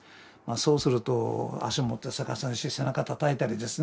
そうすると足を持って逆さにして背中たたいたりですね